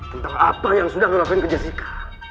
tentang apa yang sudah ngelakuin ke jessica